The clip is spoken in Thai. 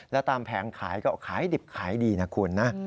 แล้วตามแผงขายก็ขายดิบขายดีนะคุณนะ